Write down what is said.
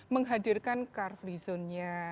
menghadirkan car visionnya